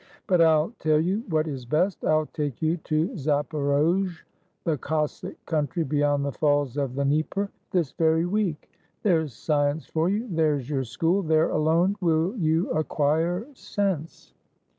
"But I'll tell you what is best: I'll take you to Zaporozhe [the Cossack country beyond the falls of the Dnieper] this very week. There 's science for you! There's your school; there alone will you acquire sense."